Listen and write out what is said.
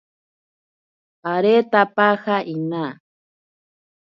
Aretapaja inaa.